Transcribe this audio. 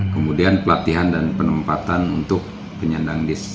kemudian pelatihan dan penempatan untuk penyandang disk